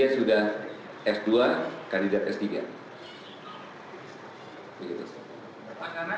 om sitika mengatakan ada tiga puluh sekitar tiga puluh miliar uang yang diperwiraatkan